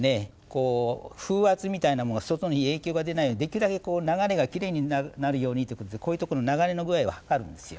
こう風圧みたいなものが外に影響が出ないようにできるだけ流れがきれいになるようにということでこういうところの流れの具合を計るんですよ。